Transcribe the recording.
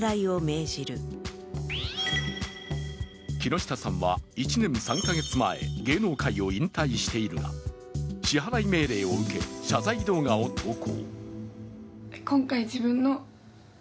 木下さんは１年３カ月前、芸能界を引退しているが、支払い命令を受け、謝罪動画を投稿。